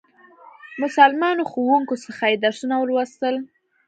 مسلمانو ښوونکو څخه یې درسونه ولوستل.